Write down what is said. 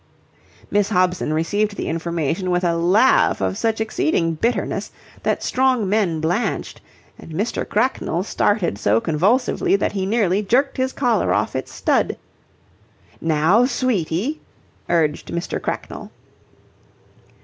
Miss Hobson received the information with a laugh of such exceeding bitterness that strong men blanched and Mr. Cracknell started so convulsively that he nearly jerked his collar off its stud. "Now, sweetie!" urged Mr. Cracknell.